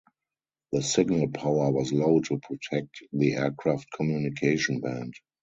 The signal power was low to protect the aircraft communication band.